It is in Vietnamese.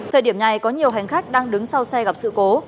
thời điểm này có nhiều hành khách đang đứng sau xe gặp sự cố